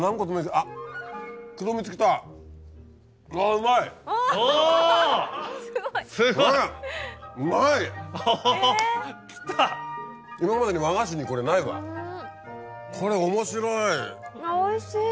あっおいしい。